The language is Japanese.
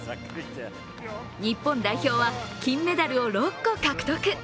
日本代表は金メダルを６個獲得。